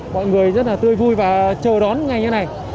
mọi người rất là tươi vui và chờ đón ngày như thế này